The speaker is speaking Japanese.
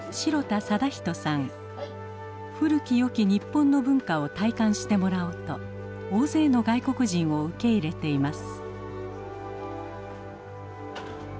古きよき日本の文化を体感してもらおうと大勢の外国人を受け入れています。